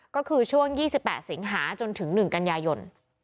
ก็คือช่วง๒๘สิงหาจนถึง๑กันยายน